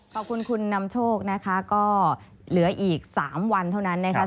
ขอบคุณคุณนำโชคนะคะก็เหลืออีก๓วันเท่านั้นนะคะ